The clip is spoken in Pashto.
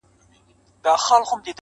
ستا په سترگو کي دي يو عالم خبرې,